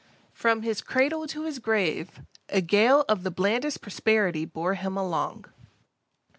From his cradle to his grave, a gale of the blandest prosperity bore him along.